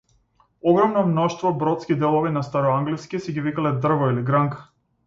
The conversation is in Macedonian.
Огромно мноштво бродски делови на староанглиски си ги викале дрво или гранка.